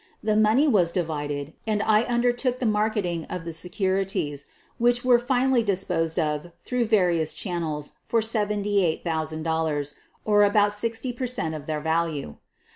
The money was divided and I undertook the mar keting of the securities, which were finally disposed of through various channels for $78,000, or about 60 per cent, of their value.